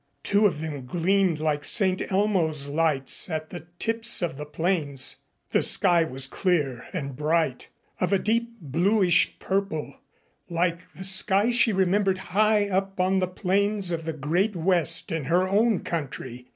Two of them gleamed like St. Elmo's lights at the tips of the planes. The sky was clear and bright, of a deep bluish purple, like the skies she remembered high up on the plains of the great West in her own country.